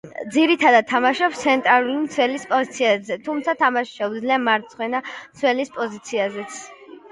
ძირითადად თამაშობს ცენტრალური მცველის პოზიციაზე, თუმცა თამაში შეუძლია მარცხენა მცველის პოზიციაზეც.